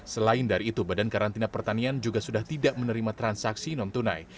selain dari itu badan karantina pertanian juga sudah tidak menerima transaksi non tunai